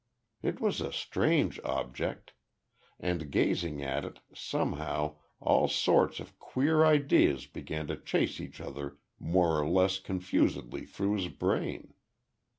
It was a strange object, and gazing at it, somehow, all sorts of queer ideas began to chase each other more or less confusedly through his brain.